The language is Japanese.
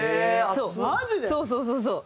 そうそうそうそう。